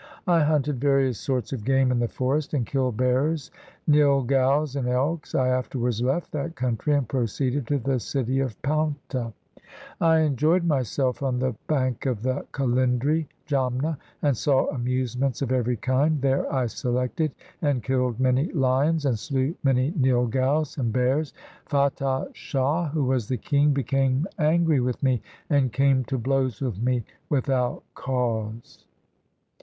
I hunted various sorts of game in the forest, And killed bears, nilgaus, 2 and elks. I afterwards left that country, And proceeded to the city of Paunta. 1 Who cannot be seen at all. 2 The Indian antelope. 304 THE SIKH RLLIGION I enjoyed myself on the bank of the Kalindri (Jamna), And saw amusements of every kind. There I selected and killed many lions, And slew many nilgaus and bears. Fatah Shah who was the king became angry with me, And came to blows with me without cause.